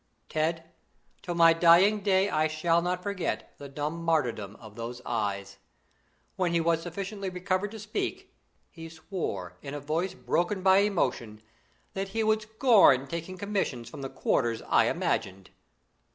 "Ted, till my dying day I shall not forget the dumb martyrdom of those eyes! When he was sufficiently recovered to speak, he swore, in a voice broken by emotion, that he would scorn taking commissions from the quarters I imagined.